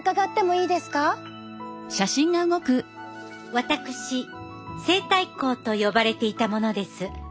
私西太后と呼ばれていた者です。